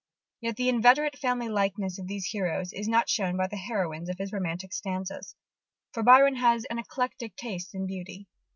Yet the inveterate family likeness of these heroes is not shared by the heroines of his romantic stanzas: for Byron has an eclectic taste in beauty.